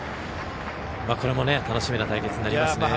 これも楽しみな対決になりますね。